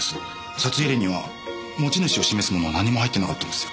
札入れには持ち主を示すものは何も入ってなかったんですよ。